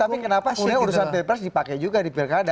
tapi kenapa kemudian urusan pilpres dipakai juga di pilkada